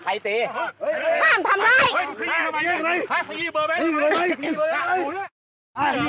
ห้ามทำอะไร